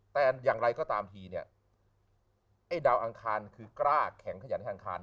แต่อย่างไรก็ตามทีเนี่ยไอ้ดาวอังคารคือกล้าแข็งขยันให้อังคาร